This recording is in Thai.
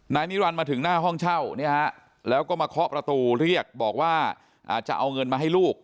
นิรันดิมาถึงหน้าห้องเช่าแล้วก็มาเคาะประตูเรียกบอกว่าจะเอาเงินมาให้ลูก